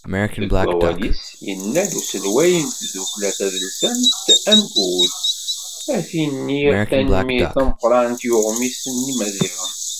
Deg wawal-is, yenna-d uselway n tdukkla tadelsant Amgud: “Ad d-iniɣ tanemmirt tameqqrant i uɣmis n Yimaziɣen."